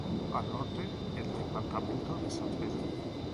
Al norte el Departamento de San Pedro.